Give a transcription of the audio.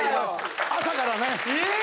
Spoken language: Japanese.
朝からね。